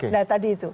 nah tadi itu